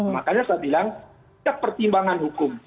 makanya saya bilang kepertimbangan hukum